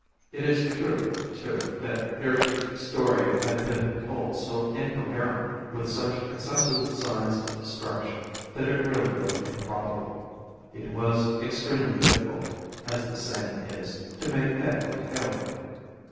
It is true, too, that Hirsch's story had been told so incoherently, with such excessive signs of distraction, that it really looked improbable. It was extremely difficult, as the saying is, to make head or tail of it.